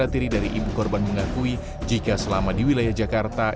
dan sendiri dari ibu korban mengakui jika selama di wilayah jakarta